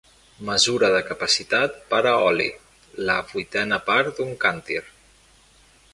Mesura de capacitat per a oli: la vuitena part d'un càntir.